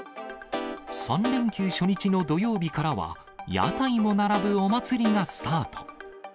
３連休初日の土曜日からは、屋台も並ぶお祭りがスタート。